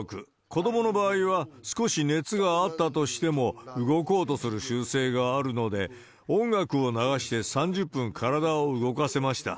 子どもの場合は少し熱があったとしても、動こうとする習性があるので、音楽を流して３０分体を動かせました。